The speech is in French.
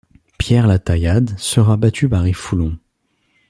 Pierre Lataillade sera battu par Yves Foulon.